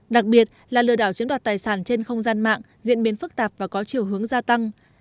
đặc biệt là lừa đảo chiếm đoạt tài sản trên không gian mạng diễn biến phức tạp và có chiều hướng gia tăng